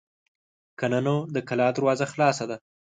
که نه نو د کلا دروازه خلاصه ده.